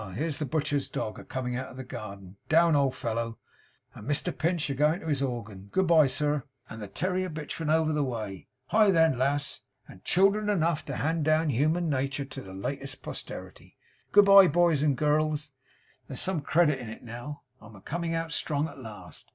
Here's the butcher's dog a coming out of the garden down, old fellow! And Mr Pinch a going to his organ good b'ye, sir! And the terrier bitch from over the way hie, then, lass! And children enough to hand down human natur to the latest posterity good b'ye, boys and girls! There's some credit in it now. I'm a coming out strong at last.